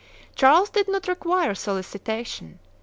Charles did not require solicitation.